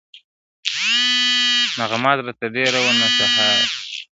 • نه غماز راته دېره وي نه سهار سي له آذانه -